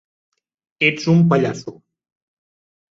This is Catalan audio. Ets un pallasso!